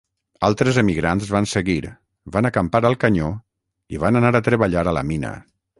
Altres emigrants van seguir, van acampar al canyó i van anar a treballar a la mina.